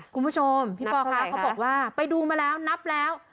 คุณผู้ชมพี่ปอคะเขาบอกว่าไปดูมาแล้วนับแล้ว